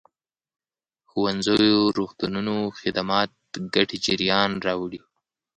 ښوونځيو روغتونونو خدمات ګټې جريان راوړي.